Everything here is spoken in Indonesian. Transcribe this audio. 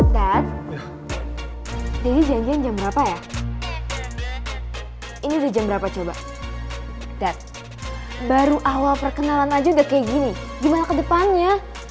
dad didi janjian jam berapa ya ini udah jam berapa coba dad baru awal perkenalan aja udah kayak gini gimana kedepannya